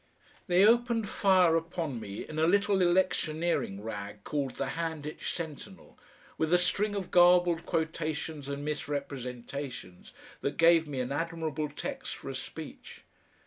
They opened fire upon me in a little electioneering rag call the HANDITCH SENTINEL, with a string of garbled quotations and misrepresentations that gave me an admirable text for a speech.